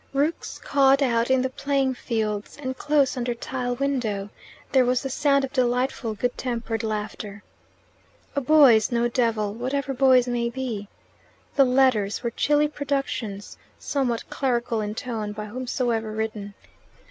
Rooks cawed out in the playing fields, and close under the window there was the sound of delightful, good tempered laughter. A boy is no devil, whatever boys may be. The letters were chilly productions, somewhat clerical in tone, by whomsoever written.